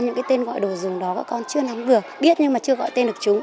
những cái tên gọi đồ dùng đó các con chưa nắm được biết nhưng mà chưa gọi tên được chúng